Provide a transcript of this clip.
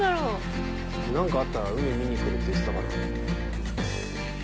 何かあったら海見に来るって言ってたから。